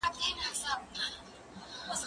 زه اوږده وخت د ښوونځی لپاره امادګي نيسم وم؟